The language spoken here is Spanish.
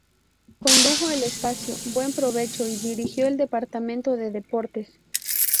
Condujo el espacio "Buen provecho" y dirigió el departamento de deportes.